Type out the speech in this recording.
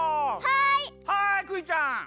はいクイちゃん！